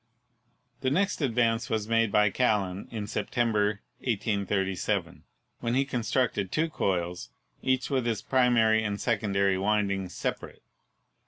The next advance was made by Callan in September, J ^37, when he constructed two coils, each with its pri mary and secondary windings separate.